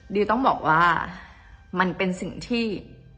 ดิวต้องบอกว่ามันเป็นสิ่งที่